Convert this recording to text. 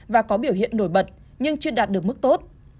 và có biểu hiện nổi bật nhưng chưa đạt được mức tốt